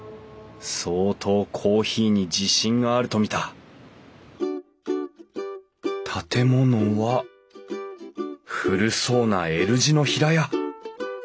相当コーヒーに自信があると見た建物は古そうなＬ字の平屋。